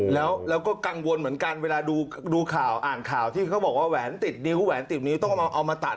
แล้วก็กังวลเหมือนกันเวลาดูข่าวอ่านข่าวที่เขาบอกว่าแหวนติดนิ้วแหวนติดนิ้วต้องเอามาตัด